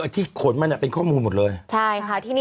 ที่ขนมันอ่ะเป็นข้อมูลหมดเลย